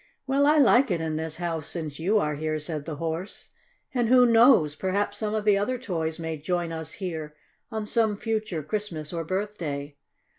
"Well, I like it in this house since you are here," said the Horse. "And who knows, perhaps some of the other toys may join us here on some future Christmas or birthday."